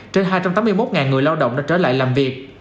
trên hai trăm tám mươi một người lao động đã trở lại làm việc